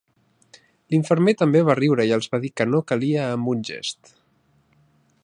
L'infermer també va riure i els va dir que no calia amb un gest.